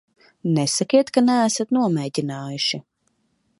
Nesakiet, ka neesat nomēģinājuši.